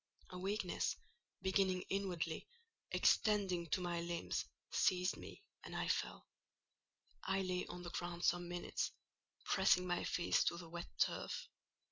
A weakness, beginning inwardly, extending to the limbs, seized me, and I fell: I lay on the ground some minutes, pressing my face to the wet turf.